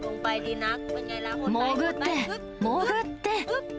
潜って、潜って。